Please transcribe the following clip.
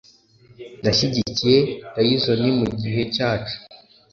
nashyigikiye Tayizoni mugihe cyacu